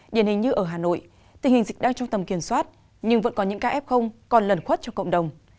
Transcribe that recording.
điển hình như ở hà nội tình hình dịch đang trong tầm kiểm soát nhưng vẫn còn những ca ép không còn lần khuất trong cộng đồng